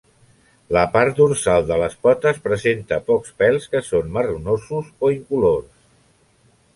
La part dorsal de les potes presenta pocs pèls, que són marronosos o incolors.